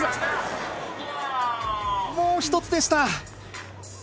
もうひとつでした。